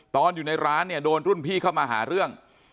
ตอนอยู่ในร้านโดนรุ่นพี่เข้ามาหาเรื่อง